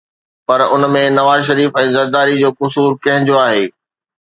پر ان ۾ نواز شريف ۽ زرداري جو قصور ڪنهن جو آهي؟